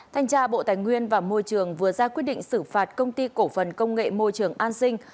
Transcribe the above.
thanh tra bộ tài nguyên và môi trường vừa ra quyết định xử phạt công ty cổ phần công nghệ môi trường an sinh